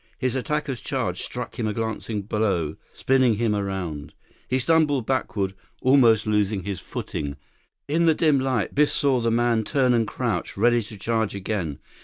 His attacker's charge struck him a glancing blow, spinning him around. He stumbled backward, almost losing his footing. In the dim light, Biff saw the man turn and crouch, ready to charge again.